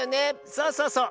そうそうそう。